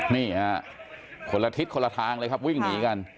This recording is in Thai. นี่ฮะคนละทิศคนละทางเลยครับวิ่งหนีกัน